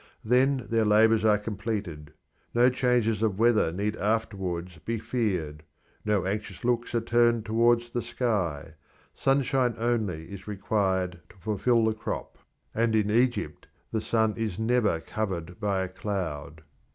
Then their labours are completed; no changes of weather need afterwards be feared; no anxious looks are turned towards the sky; sunshine only is required to fulfil the crop, and in Egypt the sun is never covered by a cloud.